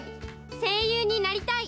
声優になりたい。